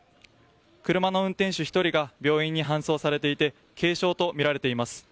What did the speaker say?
車の運転手１人が病院に搬送されていて軽傷とみられています。